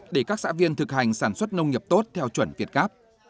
để các xã viên thực hành sản xuất nông nghiệp tốt theo chuẩn việt gáp